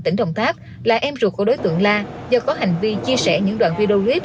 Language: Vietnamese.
tỉnh đồng tháp là em ruột của đối tượng la do có hành vi chia sẻ những đoạn video clip